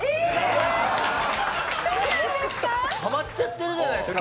ハマっちゃってるじゃないですか。